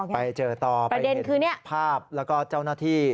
ไปเจอต่อประเด็นคือภาพแล้วก็เจ้าหน้าที่